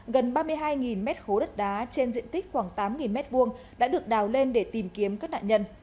gần ba mươi hai mét khố đất đá trên diện tích khoảng tám mét vuông đã được đào lên để tìm kiếm các nạn nhân